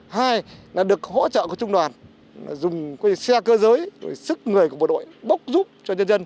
hai là được hỗ trợ của trung đoàn dùng cái xe cơ giới sức người của bộ đội bốc giúp cho dân dân